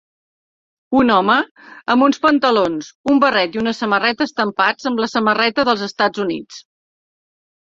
Un home amb uns pantalons, un barret i una samarreta estampats amb la samarreta dels Estats Units.